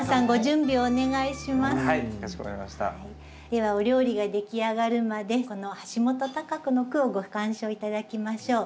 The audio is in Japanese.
ではお料理が出来上がるまでこの橋本多佳子の句をご鑑賞頂きましょう。